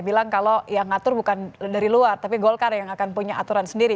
bilang kalau yang ngatur bukan dari luar tapi golkar yang akan punya aturan sendiri